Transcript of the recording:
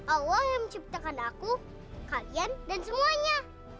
allah yang ciptakan aku kalian dan semuanya